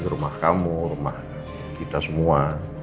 rumah kamu rumah kita semua